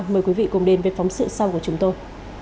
mời quý vị cùng đến với phóng sự sau của chúng tôi